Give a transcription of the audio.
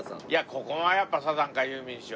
ここはやっぱサザンかユーミンでしょ。